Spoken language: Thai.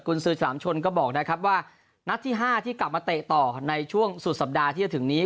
คุณซื้อฉลามชนก็บอกนะครับว่านัดที่๕ที่กลับมาเตะต่อในช่วงสุดสัปดาห์ที่จะถึงนี้